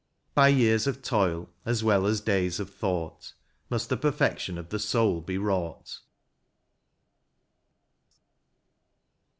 By years of toil, as well as days of thought, Must the perfection of the soul be wrought.